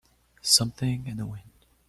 Something in the wind